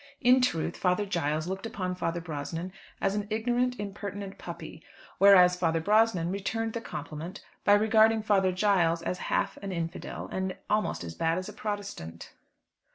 In truth, Father Giles looked upon Father Brosnan as an ignorant, impertinent puppy, whereas Father Brosnan returned the compliment by regarding Father Giles as half an infidel, and almost as bad as a Protestant.